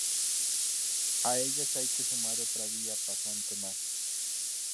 A ellas hay que sumar otra vía pasante más.